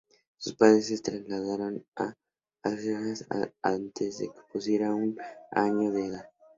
Sus padres se trasladaron a Algeciras antes de que cumpliera un año de edad.